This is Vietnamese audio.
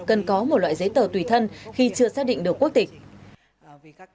cần có một loại giấy tờ tùy thân khi chưa xác định được quốc tịch